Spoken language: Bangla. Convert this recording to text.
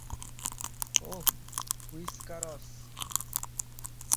ওহ, হুইস্কারস।